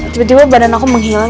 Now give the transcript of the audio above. tiba tiba badan aku menghilang